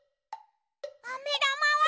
あめだまは？